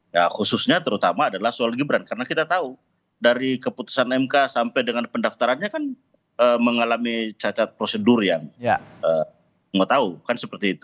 ya khususnya terutama adalah soal gibran karena kita tahu dari keputusan mk sampai dengan pendaftarannya kan mengalami cacat prosedur yang nggak tahu kan seperti itu